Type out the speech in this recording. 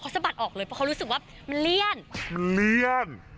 เขาสะบัดออกเลยเพราะเขารู้สึกว่ามันเลี่ยน